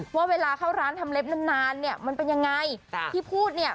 ว่าเวลาเข้าร้านทำเล็บนานนานเนี่ยมันเป็นยังไงจ้ะที่พูดเนี่ย